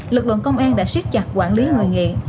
lực lượng công an đã siết chặt quản lý người nghiện